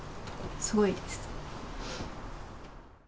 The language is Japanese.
すごいです。